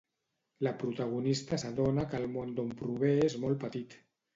La protagonista s'adona que el món d'on prové és molt petit.